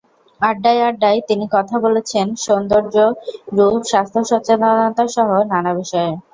আড্ডায় আড্ডায় তিনি কথা বলেছেন সৌন্দর্য, রূপ, স্বাস্থ্য সচেতনতাসহ নানা বিষয়ে।